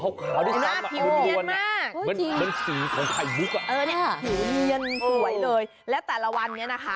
ข้าวน่าพิวมันสีของไข่มุกอ่ะสวยเลยและแต่ละวันนี้นะคะ